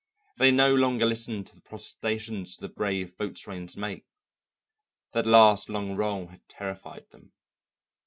They no longer listened to the protestations of the brave boatswain's mate; that last long roll had terrified them.